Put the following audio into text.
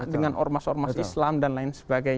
dengan ormas ormas islam dan lain sebagainya